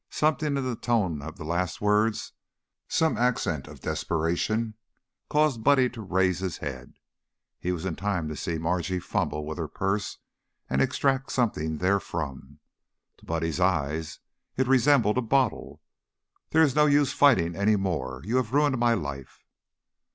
Something in the tone of the last words, some accent of desperation, caused Buddy to raise his head. He was in time to see Margie fumble with her purse and extract something therefrom; to Buddy's eyes it resembled a bottle. "There is no use fighting any more. You have ruined my life."